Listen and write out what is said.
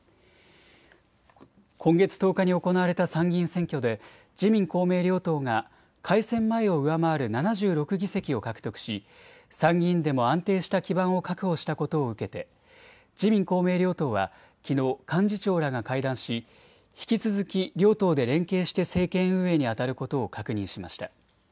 今月１０日に行われた参議院選挙で自民公明両党が改選前を上回る７６議席を獲得し参議院でも安定した基盤を確保したことを受けて自民公明両党はきのう幹事長らが会談し引き続き両党で連携して政権運営にあたることを確認しました。